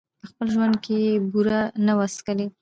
په خپل ژوند کي یې بوره نه وه څکلې